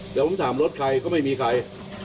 เดี๋ยวผมถามรถใครก็ไม่มีใคร